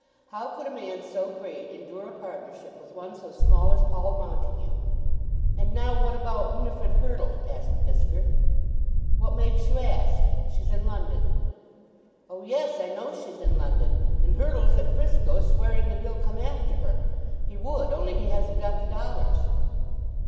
How could a man so great endure a partnership with one so small as Paul Montague? "And now what about Winifrid Hurtle?" asked Fisker. "What makes you ask? She's in London." "Oh yes, I know she's in London, and Hurtle's at Frisco, swearing that he'll come after her. He would, only he hasn't got the dollars."